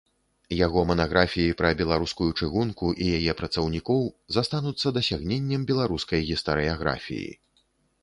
Яго манаграфіі пра беларускую чыгунку і яе працаўнікоў застануцца дасягненнем беларускай гістарыяграфіі.